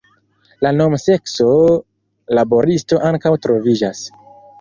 La nomo sekso–laboristo ankaŭ troviĝas.